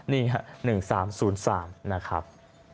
นี่ฮะ๑๓๐๓นะครับ